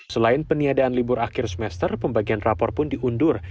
selain peniadaan libur akhir semester pembagian rapor pun diundur